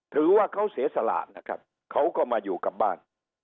ถือว่าเขาเสียสละนะครับเขาก็มาอยู่กับบ้าน